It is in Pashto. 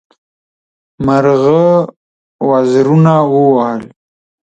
مرغه وزرونه ووهل.